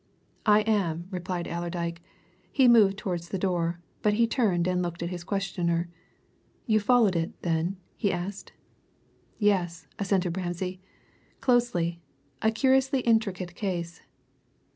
"I am," replied Allerdyke. He had moved towards the door, but he turned and looked at his questioner. "You followed it, then?" he asked. "Yes," assented Ramsay. "Closely. A curiously intricate case."